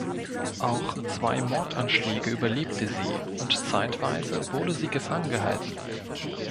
Auch zwei Mordanschläge überlebte sie und zeitweise wurde sie gefangen gehalten.